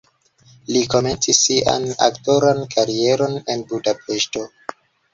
Li komencis sian aktoran karieron en Budapeŝto.